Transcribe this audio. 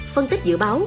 phân tích dự báo